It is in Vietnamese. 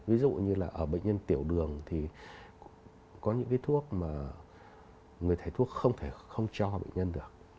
ví dụ như là ở bệnh nhân tiểu đường thì có những cái thuốc mà người thầy thuốc không thể không cho bệnh nhân được